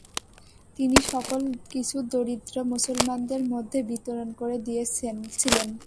তিনি সকল কিছু দরিদ্র মুসলমানদের মধ্যে বিতরণ করে দিয়েছিলেন।